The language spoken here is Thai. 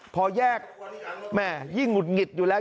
พอแยกแม่ยิ่งหงุดหงิดอยู่แล้ว